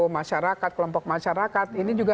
masyarakat kelompok masyarakat ini juga